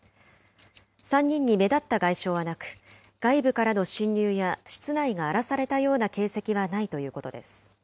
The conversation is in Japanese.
３人に目立った外傷はなく、外部からの侵入や室内が荒らされたような形跡はないということです。